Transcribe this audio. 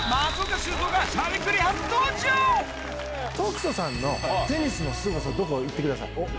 凱人さんの、テニスのすごさ、どこか言ってください。